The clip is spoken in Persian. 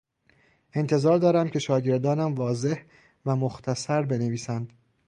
انتظار دارم که شاگردانم واضح و مختصر بنویسند.